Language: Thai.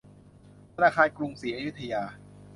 ธนาคารกรุงศรีอยุธยา